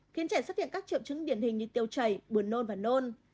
khiến trẻ xuất hiện các triệu chứng điển hình như tiêu chảy buồn nôn và nôn